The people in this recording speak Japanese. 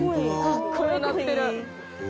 かっこよくなってる。